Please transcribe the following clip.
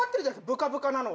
ぶかぶかなのは。